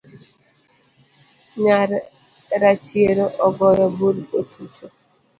Nyar rachiero ogoyo bul otucho